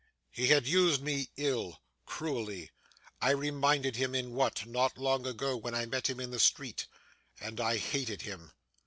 'He had used me ill cruelly I reminded him in what, not long ago when I met him in the street and I hated him.